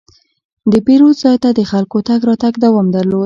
د پیرود ځای ته د خلکو تګ راتګ دوام درلود.